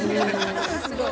すごい。